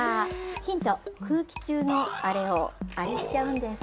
ヒント、空気中のあれをあれしちゃうんです。